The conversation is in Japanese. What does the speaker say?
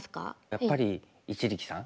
やっぱり一力さん。